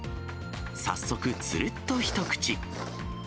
早速、つるっと一口。